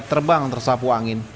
terbang tersapu angin